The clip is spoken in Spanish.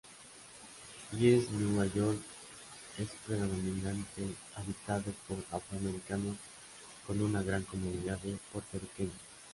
East New York es predominantemente habitado por afroamericanos con una gran comunidad de puertorriqueños.